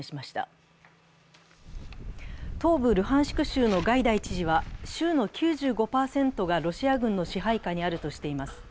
州のガイダイ知事は州の９５％がロシア軍の支配下にあるとしています。